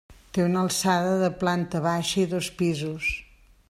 Té una alçada de planta baixa i dos pisos.